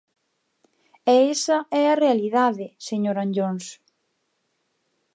E esa é a realidade, señor Anllóns.